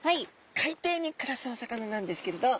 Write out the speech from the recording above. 海底に暮らすお魚なんですけれど。